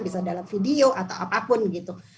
bisa dalam video atau apapun gitu